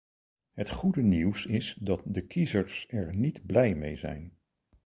Het goede nieuws is dat de kiezers er niet blij mee zijn.